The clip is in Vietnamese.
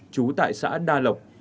chú tại xã đà lộc